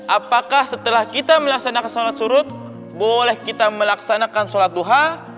apakah setelah kita melaksanakan sholat surut boleh kita melaksanakan sholat duha